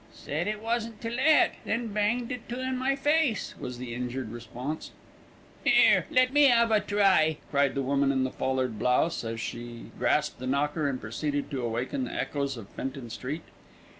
"Said it wasn't to let, then banged it to in my face," was the injured response. "'Ere, let me 'ave a try," cried the woman in the foulard blouse, as she grasped the knocker and proceeded to awaken the echoes of Fenton Street.